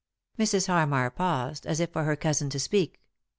Mrs. Harmar paused, as if for her cousin to speak.